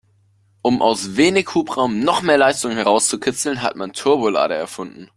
Um aus wenig Hubraum noch mehr Leistung herauszukitzeln, hat man Turbolader erfunden.